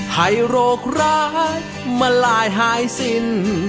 ให้โรคร้ายมาลายหายสิ้น